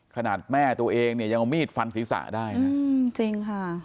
ขนาดแม่ตัวเองเนี่ยยังเอามีดฟันศีรษะได้นะจริงค่ะ